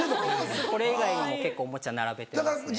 これ以外にも結構おもちゃ並べてますね。